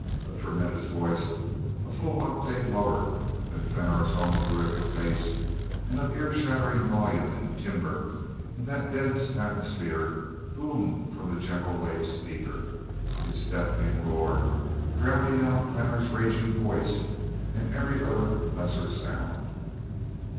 a tremendous voice, a full octave lower than Fenor's own terrific bass, and of ear shattering volume and timbre in that dense atmosphere boomed from the general wave speaker, its deafening roar drowning out Fenor's raging voice and every other lesser sound.